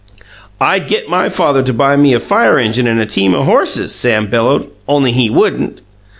"I'd get MY father to buy me a fire engine and team o' HORSES," Sam bellowed, "only he wouldn't!"